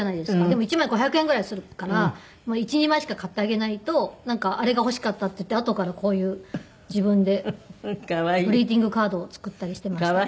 でも１枚５００円ぐらいするから１２枚しか買ってあげないとあれが欲しかったっていってあとからこういう自分でグリーティングカードを作ったりしていました。